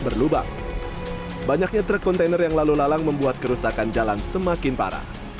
berlubang banyaknya truk kontainer yang lalu lalang membuat kerusakan jalan semakin parah